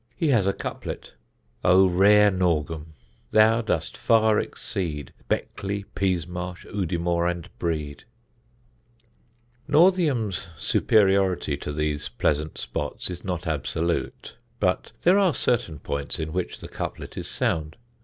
He has a couplet: Oh rare Northiam, thou dost far exceed Beckley, Peasmarsh, Udimore and Brede. Northiam's superiority to these pleasant spots is not absolute; but there are certain points in which the couplet is sound.